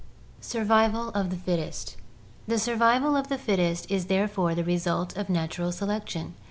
Survival of the Fittest— The survival of the fittest is therefore the result of natural selection.